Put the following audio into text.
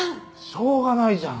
しょうがないじゃん。